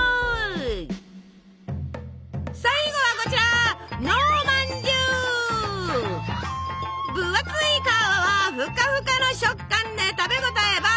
最後はこちら分厚い皮はふかふかの食感で食べ応えバッチリ！